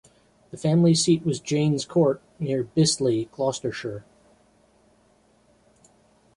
The family seat was Jaynes Court, near Bisley, Gloucestershire.